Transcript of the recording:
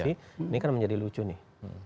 ini kan menjadi lucu nih